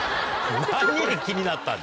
何で気になったんだ。